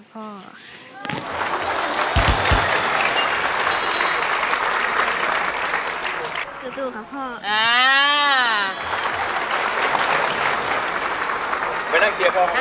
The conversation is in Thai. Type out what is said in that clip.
นั่งเชียร์พ่อข้างล่าง